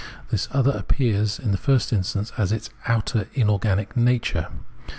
This other appears in the first instance as its outer inorganic nature.